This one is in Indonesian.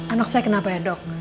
anak saya kenapa ya dok